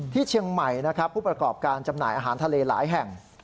เชียงใหม่นะครับผู้ประกอบการจำหน่ายอาหารทะเลหลายแห่ง